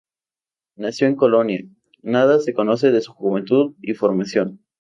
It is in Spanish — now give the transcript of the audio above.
Nacido en Colonia, nada se conoce de su juventud y formación.